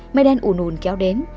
mây đen ùn ùn kéo đến